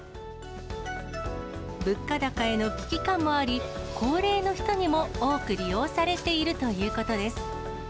物価高への危機感もあり、高齢の人にも多く利用されているということです。